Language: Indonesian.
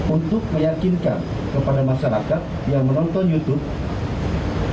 untuk meyakinkan kepada masyarakat yang menonton youtube